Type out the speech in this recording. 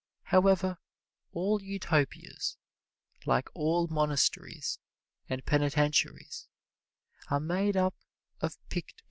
However, all Utopias, like all monasteries and penitentiaries, are made up of picked people.